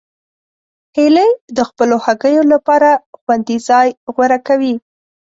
هیلۍ د خپلو هګیو لپاره خوندي ځای غوره کوي